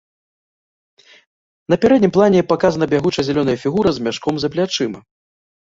На пярэднім плане паказана бягучая зялёная фігура з мяшком за плячыма.